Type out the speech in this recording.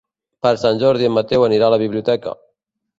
Per Sant Jordi en Mateu anirà a la biblioteca.